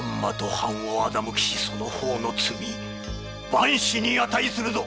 藩を欺きしその方の罪万死に値するぞ。